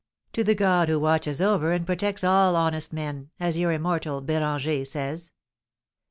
"'To the God who watches over and protects all honest men,' as your immortal Béranger says."